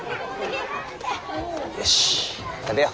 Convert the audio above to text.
よし食べよ。